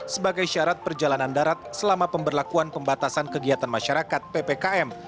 sebagai syarat perjalanan darat selama pemberlakuan pembatasan kegiatan masyarakat ppkm